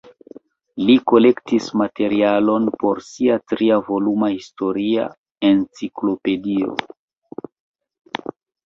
Li kolektis materialon por sia tri voluma historia enciklopedio.